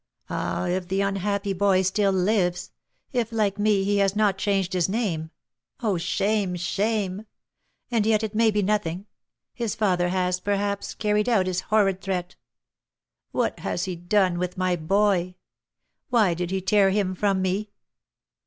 Ah! if the unhappy boy still lives if, like me, he has not changed his name oh, shame! shame! And yet it may be nothing: his father has, perhaps, carried out his horrid threat! What has he done with my boy? Why did he tear him from me?"